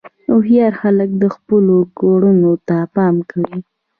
هوښیار خلک خپلو کړنو ته پام کوي.